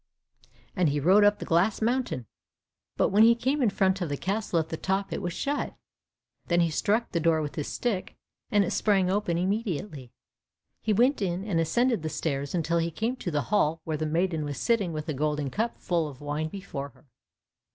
And he rode up the glass mountain, but when he came in front of the castle at the top, it was shut. Then he struck the door with his stick, and it sprang open immediately. He went in and ascended the stairs until he came to the hall where the maiden was sitting with a golden cup full of wine before her.